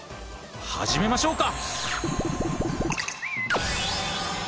始めましょうか！